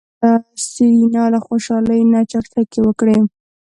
سېرېنا له خوشحالۍ نه چکچکې وکړې.